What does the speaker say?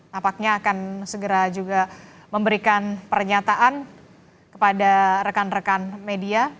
nampaknya akan segera juga memberikan pernyataan kepada rekan rekan media